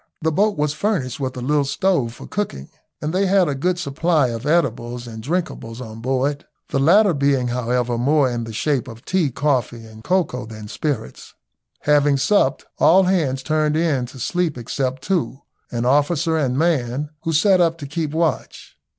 The boat was furnished with a little stove for cooking, and they had a good supply of eatables and drinkables on board, the latter being, however, more in the shape of tea, coffee, and cocoa, than spirits. Having supped, all hands turned in to sleep except two, an officer and man, who sat up to keep watch.